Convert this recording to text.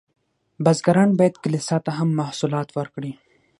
بزګران باید کلیسا ته هم محصولات ورکړي.